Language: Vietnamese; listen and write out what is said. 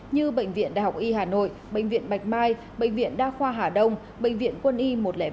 như bệnh viện đại học y hà nội bệnh viện bạch mai bệnh viện đa khoa hà đông bệnh viện quân y một trăm linh ba